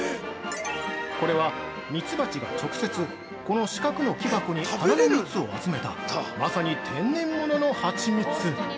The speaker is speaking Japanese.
◆これは、ミツバチが直接この四角の木箱に花の蜜を集めたまさに天然物のはちみつ！